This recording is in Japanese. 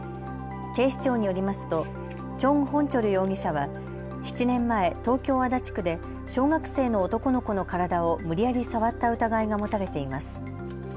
警視庁によりますと全弘哲容疑者は、７年前、東京足立区で小学生の男の子の体を無理やり触った疑いが持たれています。